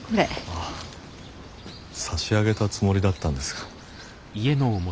ああ差し上げたつもりだったんですが。